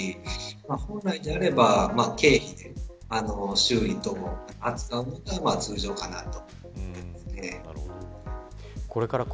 本来であれば経費で扱うので、通常かなと。